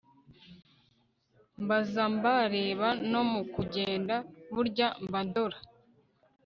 mbaza mba reba no mu kujyenda burya mbandora